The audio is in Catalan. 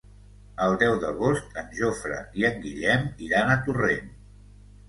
El deu d'agost en Jofre i en Guillem iran a Torrent.